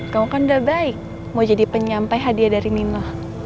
kamu kan udah baik mau jadi penyampai hadiah dari mino